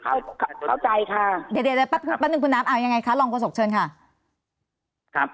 เดี๋ยวปั๊บหนึ่งคุณน้ำเอายังไงคะรองโฆษกเชิญค่ะ